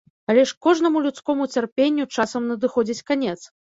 Але ж кожнаму людскому цярпенню часам надыходзіць канец.